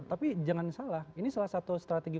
tapi jangan salah ini salah satu strategi